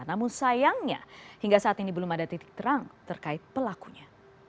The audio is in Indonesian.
namun sayangnya hingga saat ini belum ada titik terang terkait pelakunya